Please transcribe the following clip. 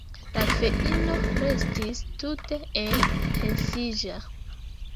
La feino restis tute enpensiĝa.